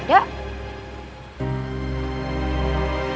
tidak ada suara orang nangis